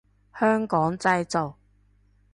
香港製造